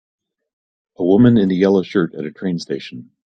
A woman in a yellow shirt at a train station.